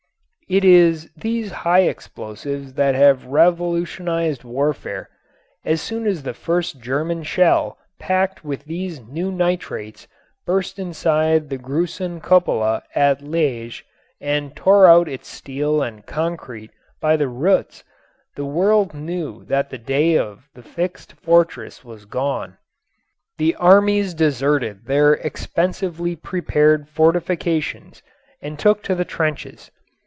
It is these high explosives that have revolutionized warfare. As soon as the first German shell packed with these new nitrates burst inside the Gruson cupola at Liège and tore out its steel and concrete by the roots the world knew that the day of the fixed fortress was gone. The armies deserted their expensively prepared fortifications and took to the trenches.